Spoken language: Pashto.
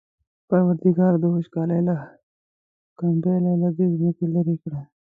پروردګاره د وچکالۍ دا کمپله له دې ځمکې لېرې کړه.